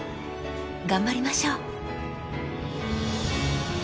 ［頑張りましょう］